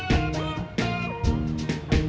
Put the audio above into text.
bapak ini bunga beli es teler